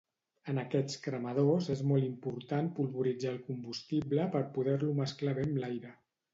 En aquests cremadors és molt important polvoritzar el combustible per poder-lo mesclar bé amb l'aire.